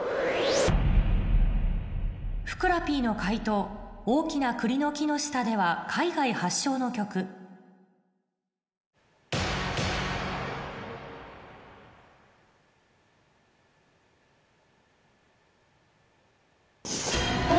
ふくらＰの解答『大きな栗の木の下で』は海外発祥の曲お！